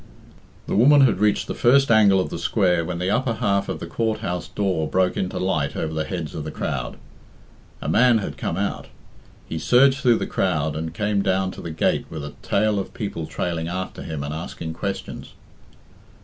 The woman had reached the first angle of the square when the upper half of the Court house door broke into light over the heads of the crowd. A man had come out. He surged through the crowd and "came down to the gate with a tail of people trailing after him and asking questions.